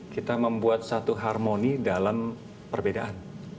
kita membuat satu harmoni dalam perbedaan